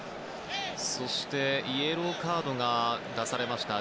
そしてイエローカードが出されました。